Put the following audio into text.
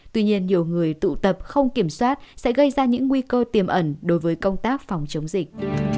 tuy nhiên nhiều người tụ tập không kiểm soát sẽ gây ra những nguy cơ tiềm ẩn đối với công tác phòng chống dịch